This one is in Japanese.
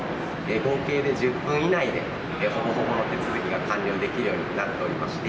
合計で１０分以内で、ほぼほぼの手続きが完了できるようになっておりまして。